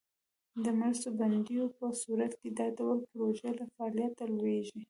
د مرستو بندیدو په صورت کې دا ډول پروژې له فعالیته لویږي.